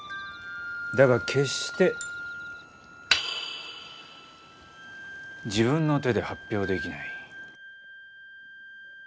だが決して自分の手で発表できない。